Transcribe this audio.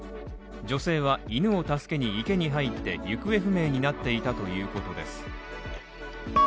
女性は犬を助けに行けに入って行方不明になっていたということです。